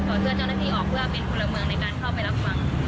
เชื่อเจ้าหน้าที่ออกเพื่อเป็นพลเมืองในการเข้าไปรับฟัง